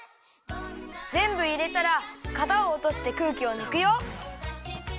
ぜんぶいれたら型をおとしてくうきをぬくよ。